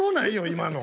今の。